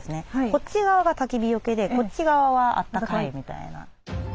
こっち側がたき火よけでこっち側はあったかいみたいな。